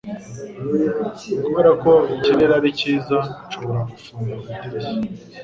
Kubera ko ikirere ari cyiza, nshobora gufungura idirishya?